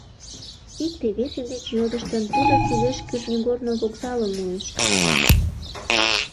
Икте-весе деч йодыштын, тудо кӱлеш кӱртньыгорно вокзалым муэш.